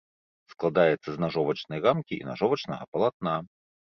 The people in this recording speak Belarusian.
Складаецца з нажовачнай рамкі і нажовачнага палатна.